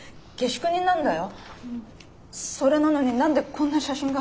それなのに何でこんな写真が。